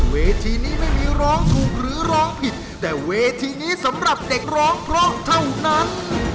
เวทีนี้ไม่มีร้องถูกหรือร้องผิดแต่เวทีนี้สำหรับเด็กร้องเพราะเท่านั้น